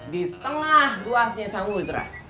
di tengah luasnya samudera